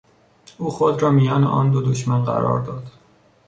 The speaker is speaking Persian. او خود را میان آن دو دشمن قرار داد.